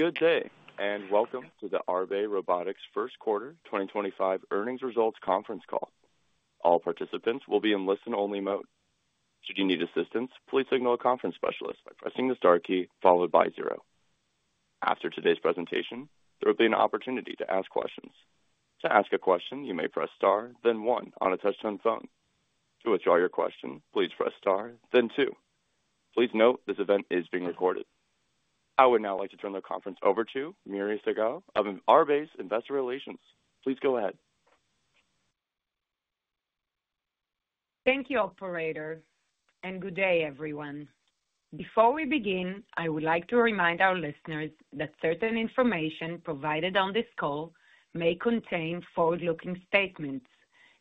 Good day, and welcome to the Arbe Robotics first quarter 2025 earnings results conference call. All participants will be in listen-only mode. Should you need assistance, please signal a conference specialist by pressing the star key followed by zero. After today's presentation, there will be an opportunity to ask questions. To ask a question, you may press star, then one on a touch-tone phone. To withdraw your question, please press star, then two. Please note this event is being recorded. I would now like to turn the conference over to Miri Segal of Arbe's Investor Relations. Please go ahead. Thank you, Operator, and good day, everyone. Before we begin, I would like to remind our listeners that certain information provided on this call may contain forward-looking statements,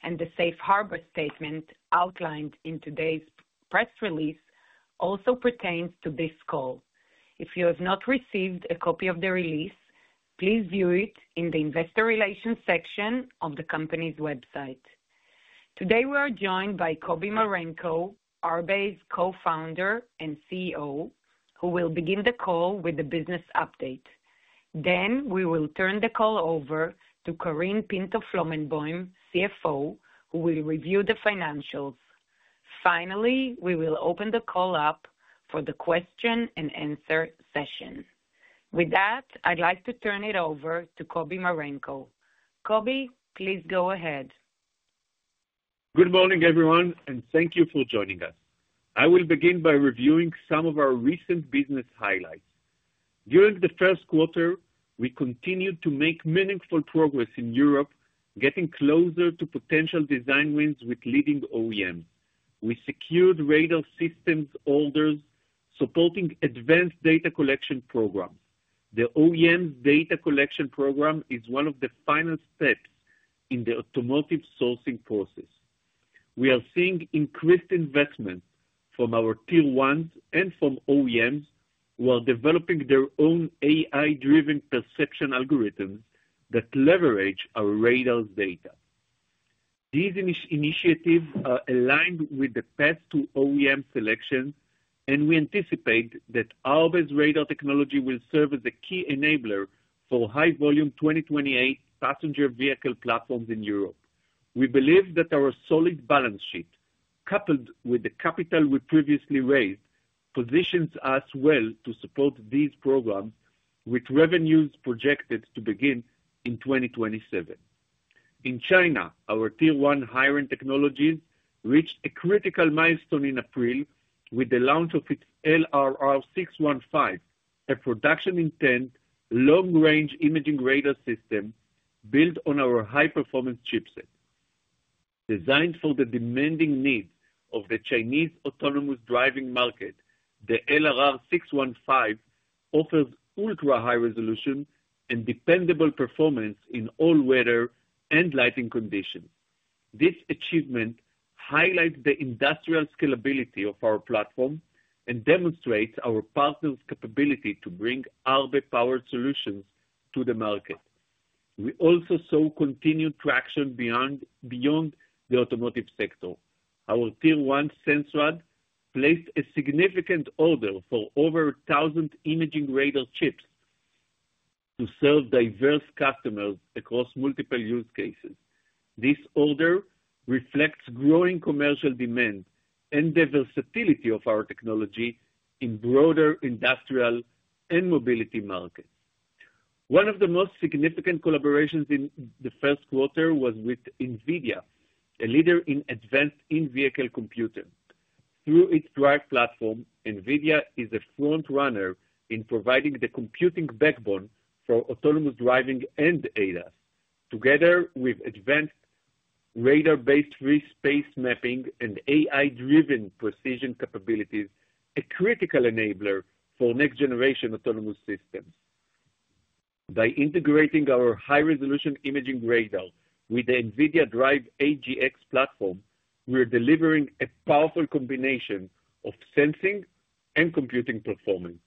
and the safe harbor statement outlined in today's press release also pertains to this call. If you have not received a copy of the release, please view it in the investor relations section of the company's website. Today, we are joined by Kobi Marenko, Arbe's Co-founder and CEO, who will begin the call with a business update. Then, we will turn the call over to Karine Pinto-Flomenboim, CFO, who will review the financials. Finally, we will open the call up for the question-and-answer session. With that, I'd like to turn it over to Kobi Marenko. Kobi, please go ahead. Good morning, everyone, and thank you for joining us. I will begin by reviewing some of our recent business highlights. During the first quarter, we continued to make meaningful progress in Europe, getting closer to potential design wins with leading OEMs. We secured radar systems orders, supporting advanced data collection programs. The OEM's data collection program is one of the final steps in the automotive sourcing process. We are seeing increased investment from our Tier 1's and from OEMs who are developing their own AI-driven perception algorithms that leverage our radar's data. These initiatives are aligned with the path to OEM selection, and we anticipate that Arbe's radar technology will serve as a key enabler for high-volume 2028 passenger vehicle platforms in Europe. We believe that our solid balance sheet, coupled with the capital we previously raised, positions us well to support these programs, with revenues projected to begin in 2027. In China, our Tier 1 higher-end technologies reached a critical milestone in April with the launch of its LRR615, a production-intent long-range imaging radar system built on our high-performance chipset. Designed for the demanding needs of the Chinese autonomous driving market, the LRR615 offers ultra-high resolution and dependable performance in all weather and lighting conditions. This achievement highlights the industrial scalability of our platform and demonstrates our partners' capability to bring Arbe-powered solutions to the market. We also saw continued traction beyond the automotive sector. Our Tier 1 Sensrad placed a significant order for over 1,000 imaging radar chips to serve diverse customers across multiple use cases. This order reflects growing commercial demand and the versatility of our technology in broader industrial and mobility markets. One of the most significant collaborations in the first quarter was with NVIDIA, a leader in advanced in-vehicle computing. Through its DRIVE platform, NVIDIA is a front-runner in providing the computing backbone for autonomous driving and ADAS. Together with advanced radar-based 3D space mapping and AI-driven precision capabilities, a critical enabler for next-generation autonomous systems. By integrating our high-resolution imaging radar with the NVIDIA DRIVE AGX platform, we are delivering a powerful combination of sensing and computing performance.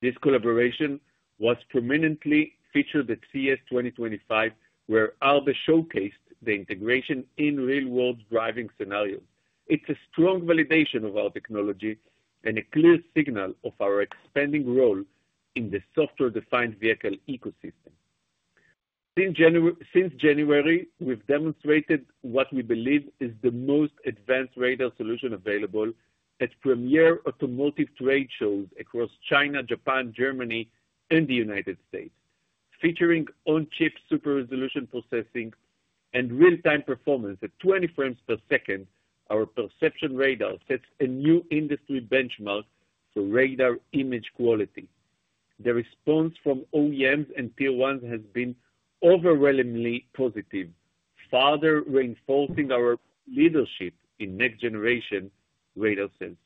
This collaboration was prominently featured at CES 2025, where Arbe showcased the integration in real-world driving scenarios. It is a strong validation of our technology and a clear signal of our expanding role in the software-defined vehicle ecosystem. Since January, we've demonstrated what we believe is the most advanced radar solution available at premier automotive trade shows across China, Japan, Germany, and the United States. Featuring on-chip super-resolution processing and real-time performance at 20 FPS, our perception radar sets a new industry benchmark for radar image quality. The response from OEMs and Tier 1's has been overwhelmingly positive, further reinforcing our leadership in next-generation radar sensing.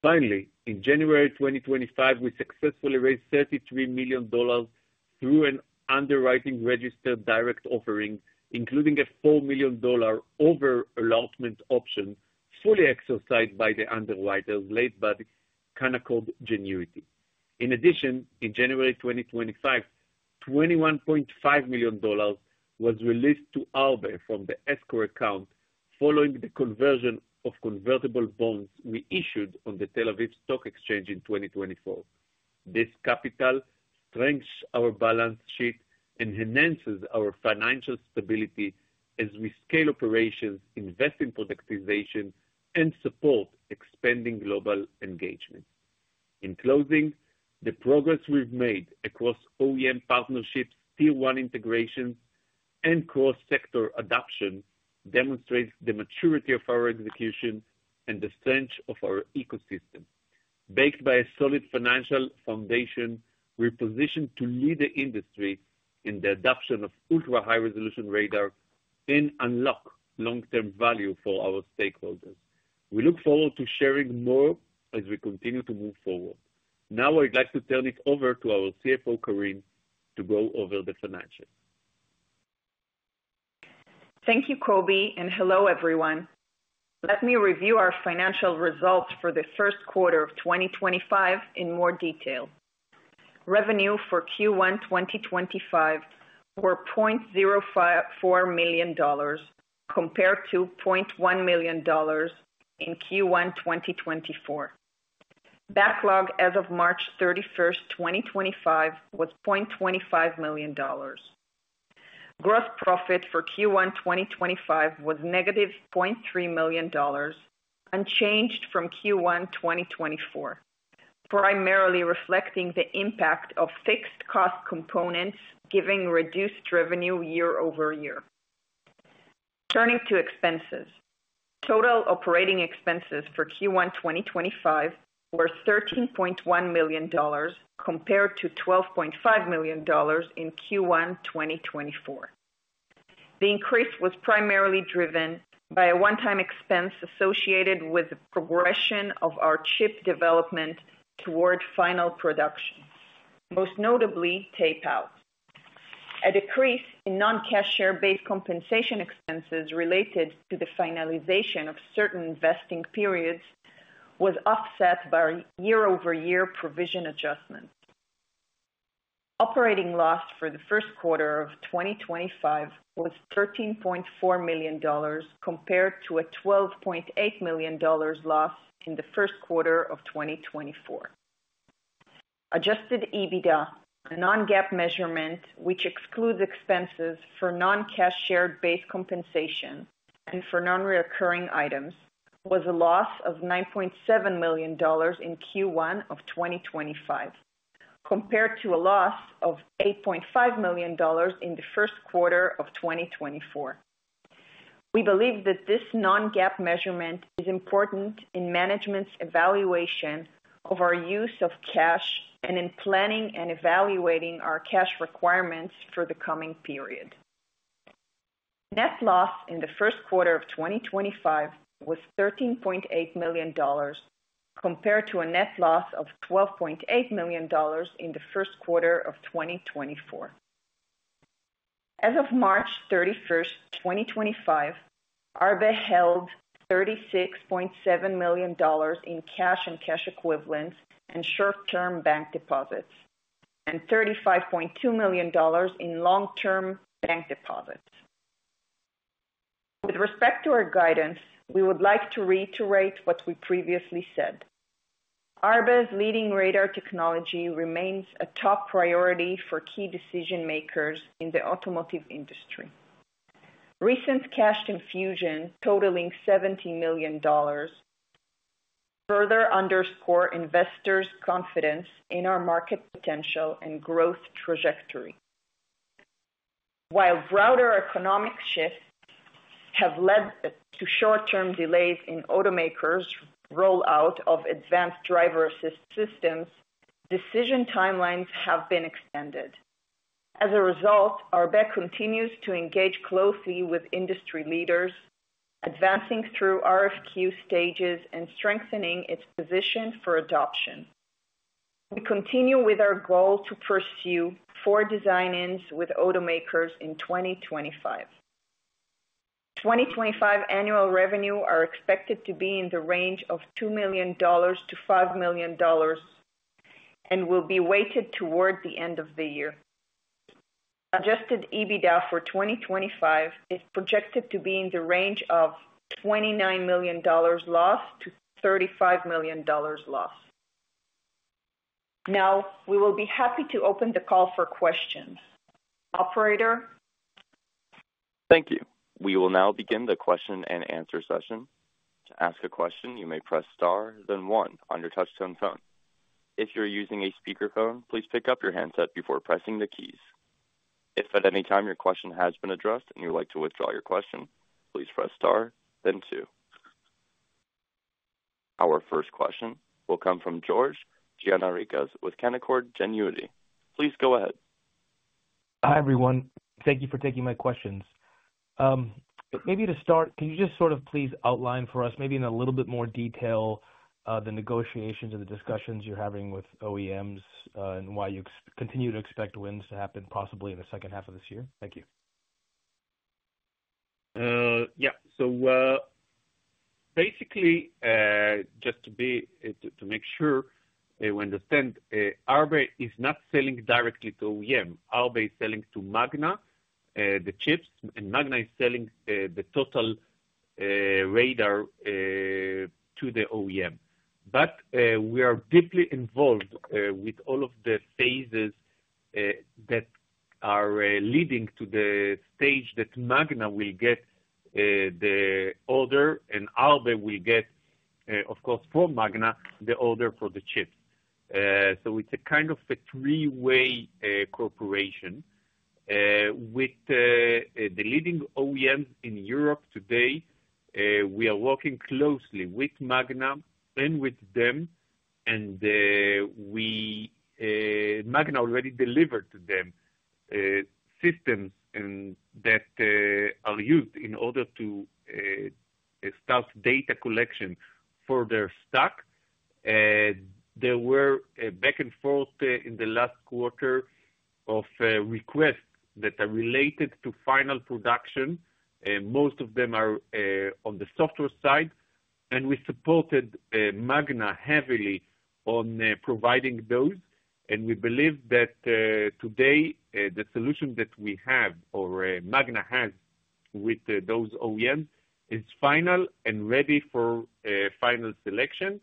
Finally, in January 2025, we successfully raised $33 million through an underwriting registered direct offering, including a $4 million over-allotment option fully exercised by the underwriter's late-buddy Canaccord Genuity. In addition, in January 2025, $21.5 million was released to Arbe from the escrow account following the conversion of convertible bonds we issued on the Tel Aviv Stock Exchange in 2024. This capital strengthens our balance sheet and enhances our financial stability as we scale operations, invest in productization, and support expanding global engagement. In closing, the progress we've made across OEM partnerships, Tier 1 integrations, and cross-sector adoption demonstrates the maturity of our execution and the strength of our ecosystem. Backed by a solid financial foundation, we're positioned to lead the industry in the adoption of ultra-high-resolution radar and unlock long-term value for our stakeholders. We look forward to sharing more as we continue to move forward. Now, I'd like to turn it over to our CFO, Karine, to go over the financials. Thank you, Kobi, and hello, everyone. Let me review our financial results for the first quarter of 2025 in more detail. Revenue for Q1 2025 were $0.04 million compared to $0.1 million in Q1 2024. Backlog as of March 31st, 2025, was $0.25 million. Gross profit for Q1 2025 was $-0.3 million, unchanged from Q1 2024, primarily reflecting the impact of fixed cost components giving reduced revenue year-over-year. Turning to expenses, total operating expenses for Q1 2025 were $13.1 million compared to $12.5 million in Q1 2024. The increase was primarily driven by a one-time expense associated with the progression of our chip development toward final production, most notably tape-out. A decrease in non-cash share-based compensation expenses related to the finalization of certain vesting periods was offset by year-over-year provision adjustments. Operating loss for the first quarter of 2025 was $13.4 million compared to a $12.8 million loss in the first quarter of 2024. Adjusted EBITDA, a non-GAAP measurement which excludes expenses for non-cash share-based compensation and for non-recurring items, was a loss of $9.7 million in Q1 of 2025, compared to a loss of $8.5 million in the first quarter of 2024. We believe that this non-GAAP measurement is important in management's evaluation of our use of cash and in planning and evaluating our cash requirements for the coming period. Net loss in the first quarter of 2025 was $13.8 million compared to a net loss of $12.8 million in the first quarter of 2024. As of March 31st, 2025, Arbe held $36.7 million in cash and cash equivalents and short-term bank deposits, and $35.2 million in long-term bank deposits. With respect to our guidance, we would like to reiterate what we previously said. Arbe's leading radar technology remains a top priority for key decision-makers in the automotive industry. Recent cash infusion totaling $70 million further underscores investors' confidence in our market potential and growth trajectory. While broader economic shifts have led to short-term delays in automakers' rollout of advanced driver-assist systems, decision timelines have been extended. As a result, Arbe continues to engage closely with industry leaders, advancing through RFQ stages and strengthening its position for adoption. We continue with our goal to pursue four design-ins with automakers in 2025. 2025 annual revenue is expected to be in the range of $2 million-$5 million and will be weighted toward the end of the year. Adjusted EBITDA for 2025 is projected to be in the range of $29 million loss-$35 million loss. Now, we will be happy to open the call for questions. Operator. Thank you. We will now begin the question-and-answer session. To ask a question, you may press star, then one, on your touch-tone phone. If you're using a speakerphone, please pick up your handset before pressing the keys. If at any time your question has been addressed and you'd like to withdraw your question, please press star, then two. Our first question will come from George Gianarikas with Canaccord Genuity. Please go ahead. Hi, everyone. Thank you for taking my questions. Maybe to start, can you just sort of please outline for us, maybe in a little bit more detail, the negotiations and the discussions you're having with OEMs and why you continue to expect wins to happen possibly in the second half of this year? Thank you. Yeah. So basically, just to make sure we understand, Arbe is not selling directly to OEM. Arbe is selling to Magna the chips, and Magna is selling the total radar to the OEM. We are deeply involved with all of the phases that are leading to the stage that Magna will get the order and Arbe will get, of course, from Magna the order for the chips. It is a kind of a three-way corporation. With the leading OEMs in Europe today, we are working closely with Magna and with them, and Magna already delivered to them systems that are used in order to start data collection for their stock. There were back-and-forth in the last quarter of requests that are related to final production. Most of them are on the software side, and we supported Magna heavily on providing those. We believe that today, the solution that we have or Magna has with those OEMs is final and ready for final selection.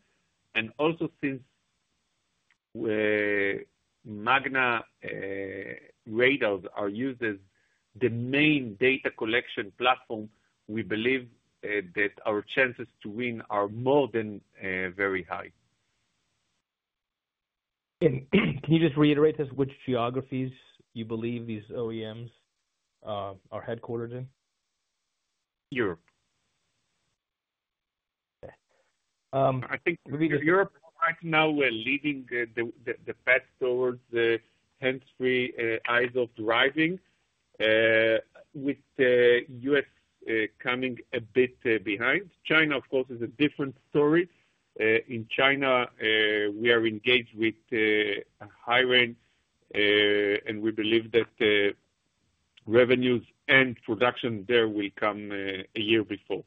Also, since Magna radars are used as the main data collection platform, we believe that our chances to win are more than very high. Can you just reiterate to us which geographies you believe these OEMs are headquartered in? Europe. I think Europe right now, we're leading the path towards the hands-free eyes-off driving, with the U.S. coming a bit behind. China, of course, is a different story. In China, we are engaged with higher-end, and we believe that revenues and production there will come a year before.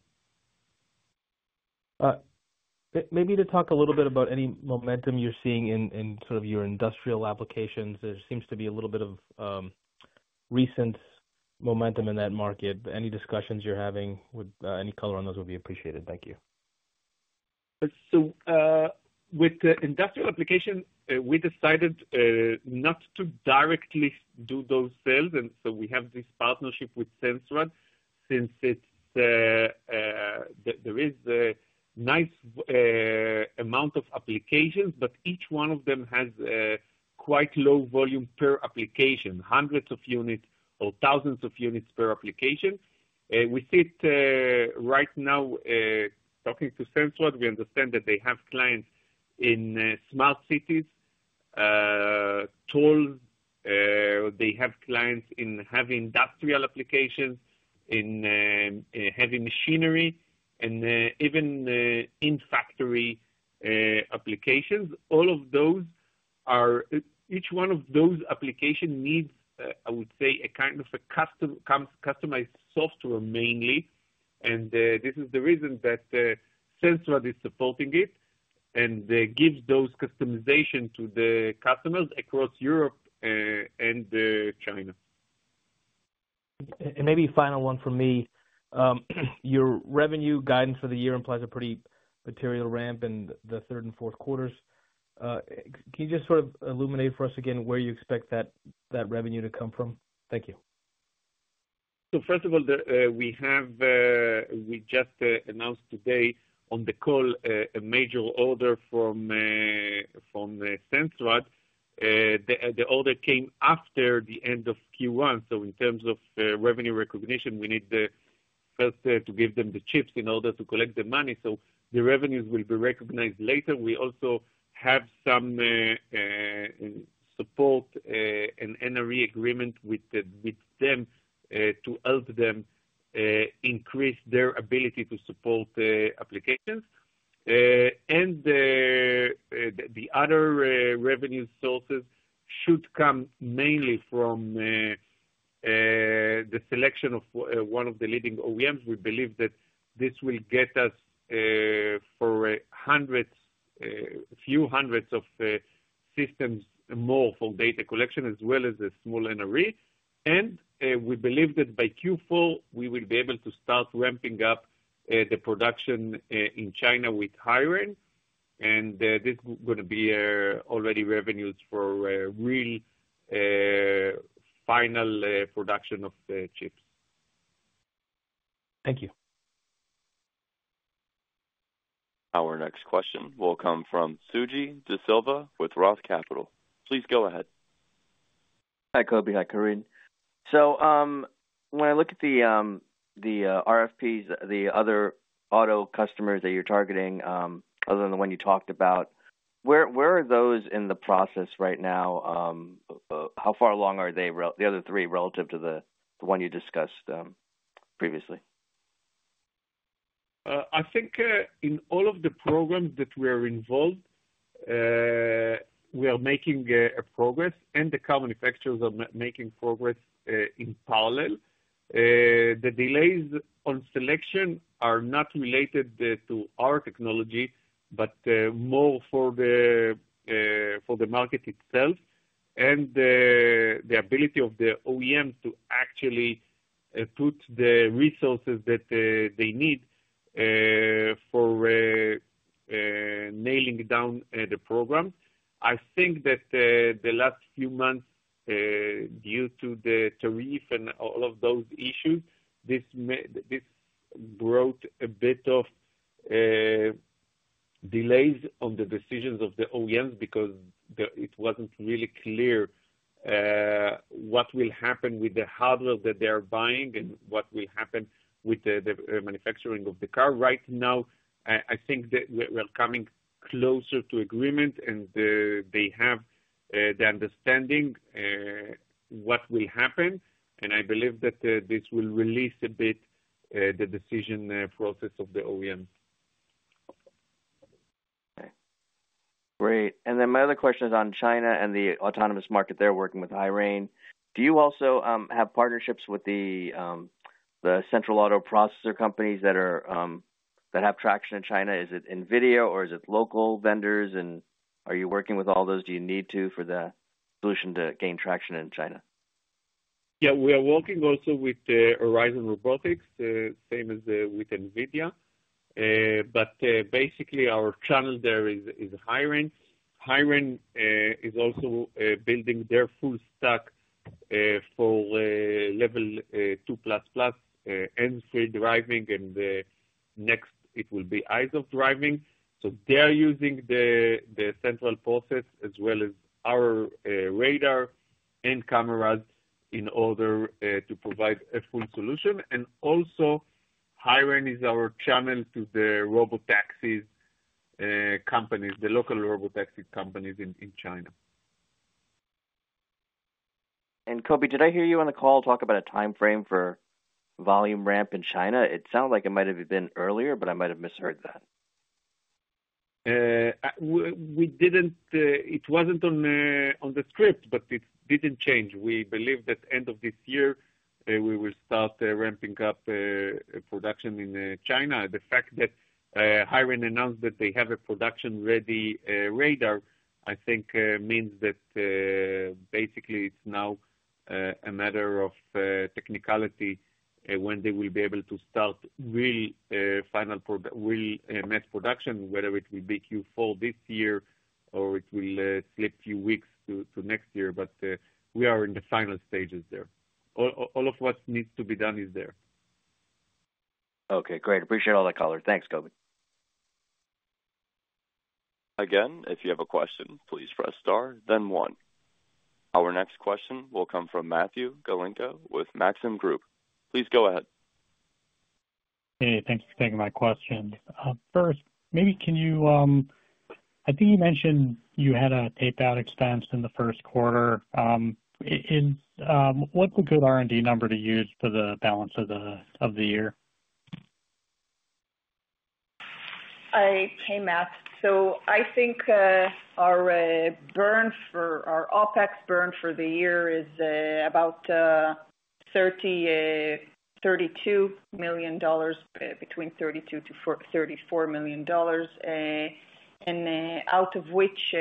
Maybe to talk a little bit about any momentum you're seeing in sort of your industrial applications, there seems to be a little bit of recent momentum in that market. Any discussions you're having with any color on those would be appreciated. Thank you. With the industrial application, we decided not to directly do those sales. We have this partnership with Sensrad since there is a nice amount of applications, but each one of them has quite low volume per application, hundreds of units or thousands of units per application. Right now, talking to Sensrad, we understand that they have clients in smart cities, tolls. They have clients in heavy industrial applications, in heavy machinery, and even in-factory applications. All of those, each one of those applications needs, I would say, a kind of customized software mainly. This is the reason that Sensrad is supporting it and gives those customizations to the customers across Europe and China. Maybe final one for me. Your revenue guidance for the year implies a pretty material ramp in the third and fourth quarters. Can you just sort of illuminate for us again where you expect that revenue to come from? Thank you. First of all, we just announced today on the call a major order from Sensrad. The order came after the end of Q1. In terms of revenue recognition, we need first to give them the chips in order to collect the money. The revenues will be recognized later. We also have some support and NRE agreement with them to help them increase their ability to support applications. The other revenue sources should come mainly from the selection of one of the leading OEMs. We believe that this will get us a few hundred systems more for data collection, as well as a small NRE. We believe that by Q4, we will be able to start ramping up the production in China with higher-end. This is going to be already revenues for real final production of the chips. Thank you. Our next question will come from Suji Desilva with Roth Capital. Please go ahead. Hi, Kobi. Hi, Karine. When I look at the RFPs, the other auto customers that you're targeting, other than the one you talked about, where are those in the process right now? How far along are the other three relative to the one you discussed previously? I think in all of the programs that we are involved, we are making progress, and the car manufacturers are making progress in parallel. The delays on selection are not related to our technology, but more for the market itself and the ability of the OEM to actually put the resources that they need for nailing down the program. I think that the last few months, due to the tariff and all of those issues, this brought a bit of delays on the decisions of the OEMs because it was not really clear what will happen with the hardware that they are buying and what will happen with the manufacturing of the car. Right now, I think that we're coming closer to agreement, and they have the understanding of what will happen. I believe that this will release a bit the decision process of the OEMs. Okay. Great. Then my other question is on China and the autonomous market they're working with, HiRain. Do you also have partnerships with the central auto processor companies that have traction in China? Is it NVIDIA, or is it local vendors? Are you working with all those? Do you need to for the solution to gain traction in China? Yeah. We are working also with Horizon Robotics, same as with NVIDIA. Basically, our channel there is HiRain. HiRain is also building their full stack for level 2++, hands-free driving, and next, it will be eyes-off driving. They are using the central process as well as our radar and cameras in order to provide a full solution. Also, HiRain is our channel to the local robotaxi companies in China. Kobi, did I hear you on the call talk about a timeframe for volume ramp in China? It sounded like it might have been earlier, but I might have misheard that. It was not on the script, but it did not change. We believe that end of this year, we will start ramping up production in China. The fact that HiRain announced that they have a production-ready radar, I think, means that basically it is now a matter of technicality when they will be able to start real mass production, whether it will be Q4 this year or it will slip a few weeks to next year. We are in the final stages there. All of what needs to be done is there. Okay. Great. Appreciate all that, color. Thanks, Kobi. Again, if you have a question, please press star, then one. Our next question will come from Matthew Galinko with Maxim Group. Please go ahead. Hey, thanks for taking my question. First, maybe can you—I think you mentioned you had a tape-out expense in the first quarter. What's a good R&D number to use for the balance of the year? I came at. I think our OpEx burn for the year is about $32 million, between $32 million-$34 million, and out of which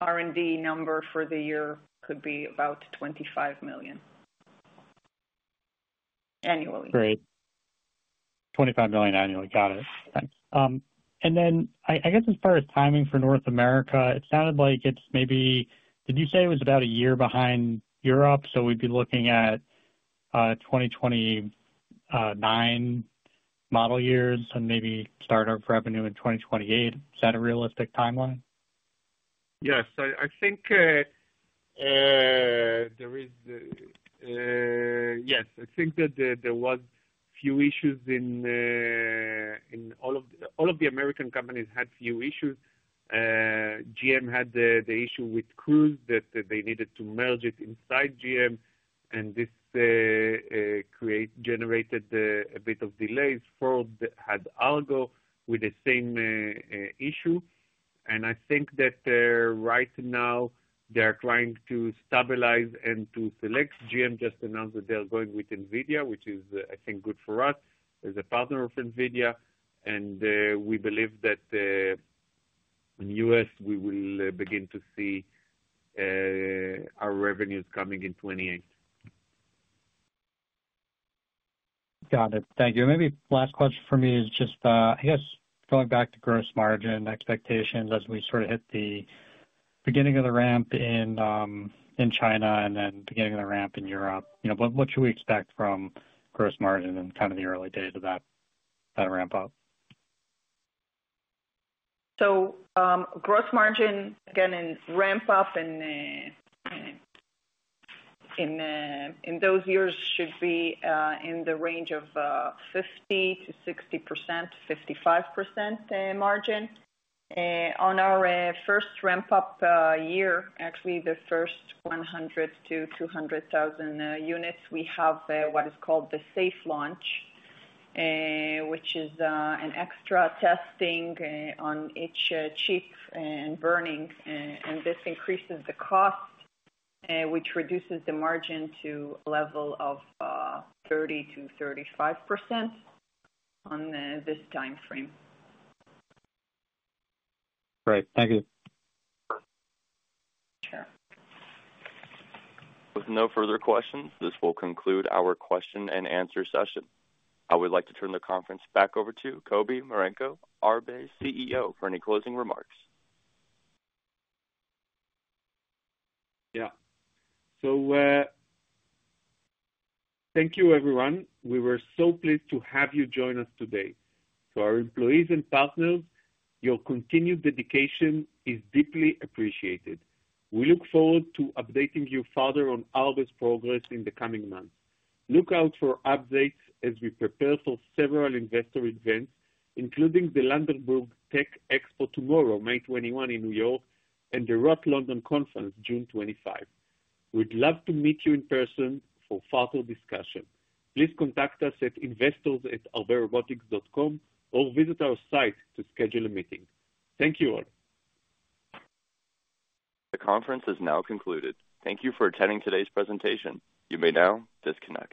R&D number for the year could be about $25 million annually. Great. $25 million annually. Got it. Thanks. As far as timing for North America, it sounded like it's maybe—did you say it was about a year behind Europe? We would be looking at 2029 model years and maybe startup revenue in 2028. Is that a realistic timeline? Yes. I think there is—yes. I think that there were a few issues in all of the—all of the American companies had few issues. GM had the issue with Cruise that they needed to merge it inside GM, and this generated a bit of delays. Ford had Argo with the same issue. I think that right now, they're trying to stabilize and to select. GM just announced that they're going with NVIDIA, which is, I think, good for us as a partner of NVIDIA. We believe that in the U.S., we will begin to see our revenues coming in 2028. Got it. Thank you. Maybe last question for me is just, I guess, going back to gross margin expectations as we sort of hit the beginning of the ramp in China and then beginning of the ramp in Europe. What should we expect from gross margin and kind of the early days of that ramp-up? Gross margin, again, in ramp-up in those years should be in the range of 50%-60%, 55% margin. On our first ramp-up year, actually the first 100,000 to 200,000 units, we have what is called the safe launch, which is an extra testing on each chip and burning. This increases the cost, which reduces the margin to a level of 30%-35% on this timeframe. Great. Thank you. Sure. With no further questions, this will conclude our question-and-answer session. I would like to turn the conference back over to Kobi Marenko, Arbe CEO, for any closing remarks. Yeah. So thank you, everyone. We were so pleased to have you join us today. To our employees and partners, your continued dedication is deeply appreciated. We look forward to updating you further on Arbe's progress in the coming months. Look out for updates as we prepare for several investor events, including the Laderburg Tech Expo tomorrow, May 21, in New York, and the Roth London Conference, June 25. We'd love to meet you in person for further discussion. Please contact us at investors@arberobotics.com or visit our site to schedule a meeting. Thank you all. The conference is now concluded. Thank you for attending today's presentation. You may now disconnect.